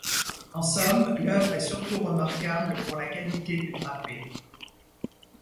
En somme, l'œuvre est surtout remarquable pour la qualité du drapé.